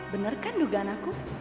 bener kan dugaan aku